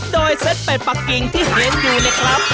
โดยเซ็ตเป็นปักกิงที่เห็นอยู่นะครับ